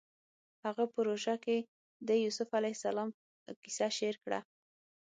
هغه په روژه کې د یوسف علیه السلام کیسه شعر کړه